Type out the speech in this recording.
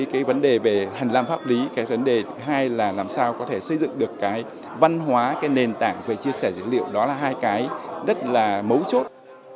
cái vấn đề về hành lang pháp lý cái vấn đề thứ hai là làm sao có thể xây dựng được cái văn hóa cái nền tảng về chia sẻ dữ liệu đó là hai cái rất là mấu chốt